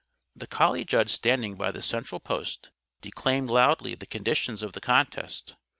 The collie judge standing by the central post declaimed loudly the conditions of the contest.